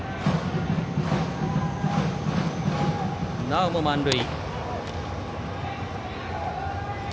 なおも満塁。